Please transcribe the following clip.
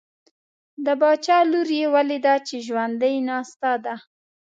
د باچا لور یې ولیده چې ژوندی ناسته ده.